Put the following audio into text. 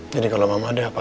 jadi kalau mama ada apaan